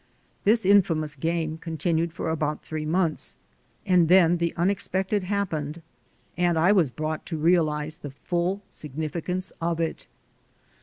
This infamous game continued for about three months, and then the unexpected happened, and I was brought to realize the full significance of it.